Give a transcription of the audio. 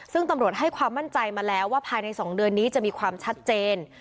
ซึ่งตำรวจให้ความมั่นใจมาแล้วว่าภายใน๒เดือนนี้จะมีความชัดเจน